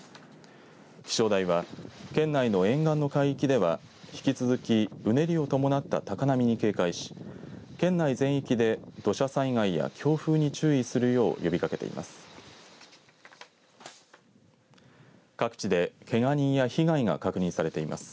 気象台は、県内の沿岸の海域では引き続き、うねりを伴った高波に警戒し県内全域で、土砂災害や強風に注意するよう呼びかけています。